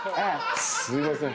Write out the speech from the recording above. すいません。